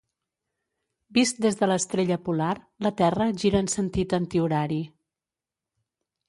Vist des de l'Estrella Polar, la Terra gira en sentit antihorari.